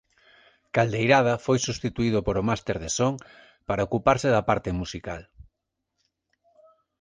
Caldeirada foi substituído por O Master do Son para ocuparse da parte musical.